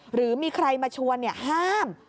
หรือมีใครมาชวนห้าม